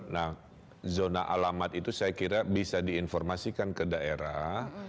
nah zona alamat itu saya kira bisa diinformasikan ke daerah